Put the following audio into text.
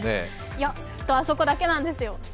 いや、きっとあそこだけなんですよ。